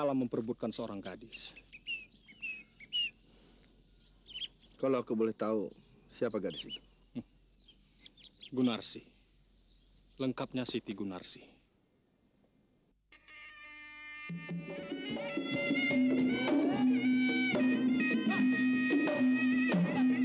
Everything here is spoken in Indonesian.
sampai jumpa di video selanjutnya